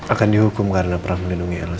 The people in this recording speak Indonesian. akan dihukum karena pernah melindungi eros